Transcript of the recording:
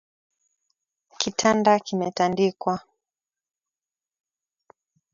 Kitanda kimetandikwa